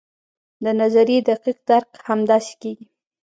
د نظریې دقیق درک همداسې کیږي.